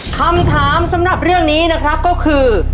คำถามสำหรับเรื่องนี้นะครับก็คือ